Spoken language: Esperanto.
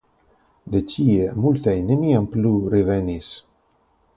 De tie multaj neniam plu revenis.